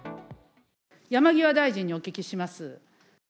山際大臣にお聞きします。